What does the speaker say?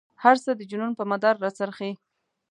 هر څه د جنون په مدار را څرخي.